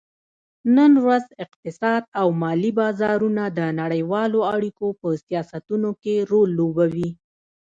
نن ورځ اقتصاد او مالي بازارونه د نړیوالو اړیکو په سیاستونو کې رول لوبوي